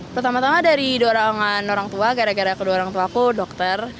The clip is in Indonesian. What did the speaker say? pertama tama dari dorongan orang tua gara gara kedua orang tuaku dokter